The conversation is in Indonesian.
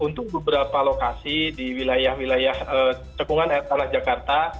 untuk beberapa lokasi di wilayah wilayah cekungan air tanah jakarta